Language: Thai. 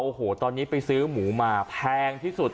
โอ้โหตอนนี้ไปซื้อหมูมาแพงที่สุด